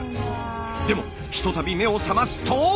でもひとたび目を覚ますと！